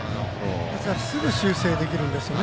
ですからすぐ修正できるんですよね。